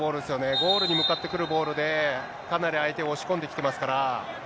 ゴールに向かってくるボールで、かなり相手を押し込んできてますから。